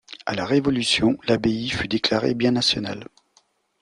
À la Révolution, l'abbaye fut déclarée bien national.